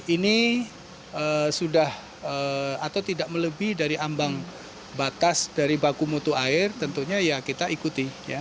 ini sudah atau tidak melebih dari ambang batas dari baku mutu air tentunya ya kita ikuti